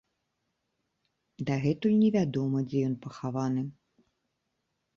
Дагэтуль невядома, дзе ён пахаваны.